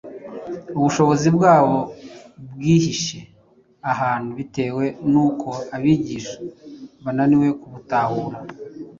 Ubushobozi bwabo bwihishe ahantu bitewe n’uko abigisha bananiwe kubutahura.